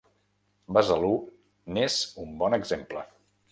Besalú n’és un bon exemple.